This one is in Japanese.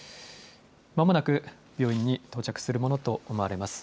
まもなく病院に到着するものと思われます。